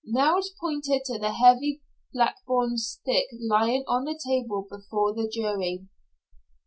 Nels pointed to the heavy blackthorn stick lying on the table before the jury.